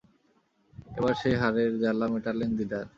এবার সেই হারের জ্বালা মেটালেন দিদার।